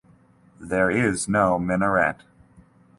There is no minaret.